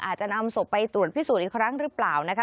อาจจะนำศพไปตรวจพิสูจน์อีกครั้งหรือเปล่านะคะ